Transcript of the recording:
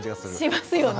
しますよね。